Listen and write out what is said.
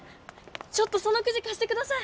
ちょっとそのクジかしてください。